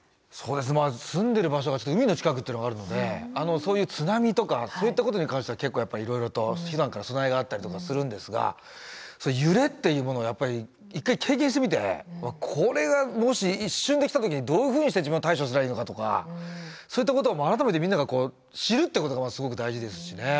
住んでる場所が海の近くというのがあるのでそういう津波とかそういったことに関しては結構やっぱりいろいろとふだんから備えがあったりとかするんですが揺れっていうものを１回経験してみてこれがもし一瞬で来た時にどういうふうにして自分は対処すればいいのかとかそういったことを改めてみんなが知るってことがすごく大事ですしね。